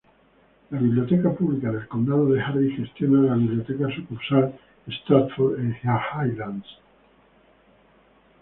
La Biblioteca Pública del Condado de Harris gestiona la Biblioteca Sucursal Stratford en Highlands.